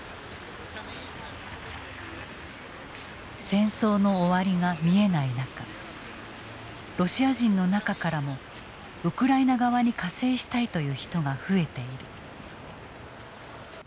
戦争の終わりが見えない中ロシア人の中からもウクライナ側に加勢したいという人が増えている。